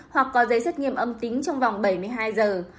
hoặc có giấy xét nghiệm âm tính trong vòng bảy mươi hai giờ